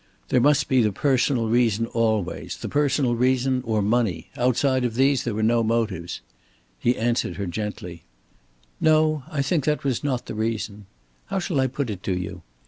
There must be the personal reason always, the personal reason or money. Outside of these, there were no motives. He answered her gently: "No; I think that was not the reason. How shall I put it to you?"